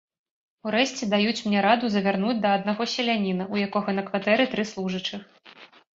Урэшце даюць мне раду завярнуць да аднаго селяніна, у якога на кватэры тры служачых.